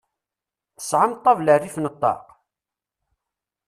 Tesɛam ṭabla rrif n ṭaq?